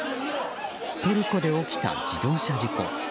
トルコで起きた自動車事故。